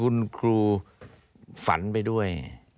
เลยทำให้คุณครูฝันไปด้วย